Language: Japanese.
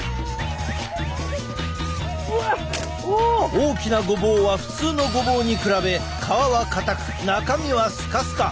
大きなごぼうは普通のごぼうに比べ皮はかたく中身はスカスカ。